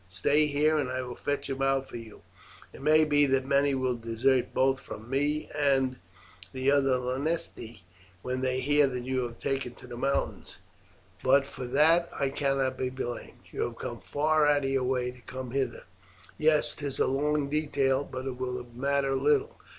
Stay here and I will fetch him out to you; it may be that many will desert both from me and the other lanistae when they hear that you have taken to the mountains, but for that I cannot be blamed. You have come far out of your way to come hither." "Yes, 'tis a long detour, but it will matter little.